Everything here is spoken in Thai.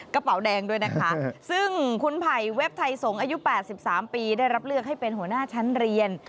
กระเป๋าแดงด้วยนะคะซึ่งคุณไผ่เว็บไทยสงฆ์อายุ๘๓ปีได้รับเลือกให้เป็นหัวหน้าชั้นเรียน